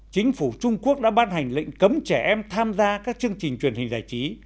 chính phủ trung quốc đã ban hành lệnh cấm trẻ em tham gia các chương trình truyền hình giải trí